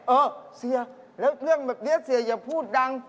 เออเสียแล้วเรื่องแบบนี้เสียอย่าพูดดัง